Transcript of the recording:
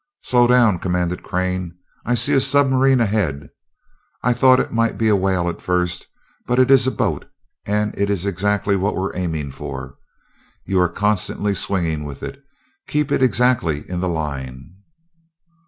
"Slow down!" commanded Crane. "I see a submarine ahead. I thought it might be a whale at first, but it is a boat and it is what we are aiming for. You are constantly swinging with it, keeping it exactly in the line."